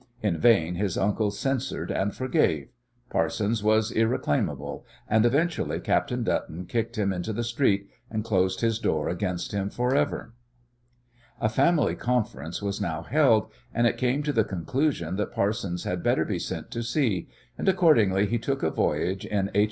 In vain his uncle censured and forgave. Parsons was irreclaimable, and eventually Captain Dutton kicked him into the street, and closed his door against him for ever. [Illustration: WILLIAM PARSONS] A family conference was now held, and it came to the conclusion that Parsons had better be sent to sea, and accordingly he took a voyage in H.